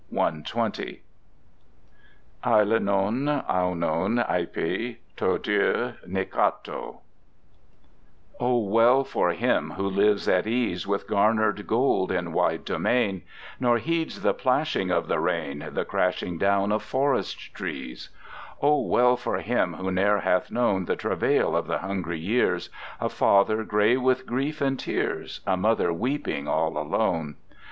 120. ] Αἴλινον, αἴινον εἰπὲ, Τὸ δ᾽ ευ̉ νικάτω O well for him who lives at ease With garnered gold in wide domain, Nor heeds the plashing of the rain, The crashing down of forest trees. O well for him who ne'er hath known The travail of the hungry years, A father grey with grief and tears, A mother weeping all alone.